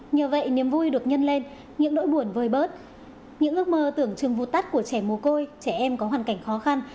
nhờ vậy niềm vui được nhân lên những nỗi buồn vơi bớt những ước mơ tưởng chừng vụt tắt của trẻ mồ côi trẻ em có hoàn cảnh khó khăn